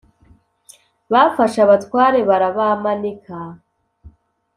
bafashe abatware barabamanika,